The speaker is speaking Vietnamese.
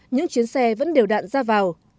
những chiến xe vẫn đều đạn ra vào